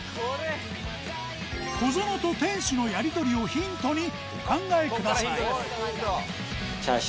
小園さんと店主のやりとりをヒントにお考えください